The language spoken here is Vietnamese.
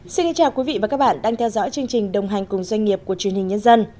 xin kính chào quý vị và các bạn đang theo dõi chương trình đồng hành cùng doanh nghiệp của truyền hình nhân dân